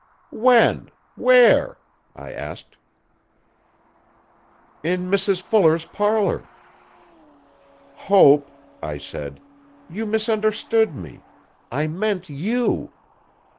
'When? Where?' I asked. 'In Mrs Fuller's parlour.' 'Hope,' I said, 'you misunderstood me; I meant you.